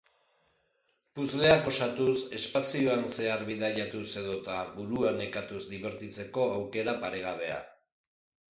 Puzzleak osatuz, espazioan zehar bidaiatuz edota burua nekatuz dibertitzeko aukera paregabea.